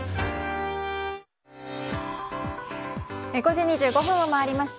５時２５分を回りました。